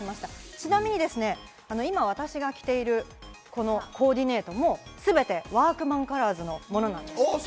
ちなみに今、私が着ているこのコーディネートも全てワークマンカラーズのものです。